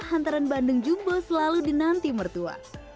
hantaran bandeng jumbo selalu dinanti mertua